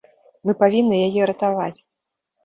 Мы павінны яе ратаваць.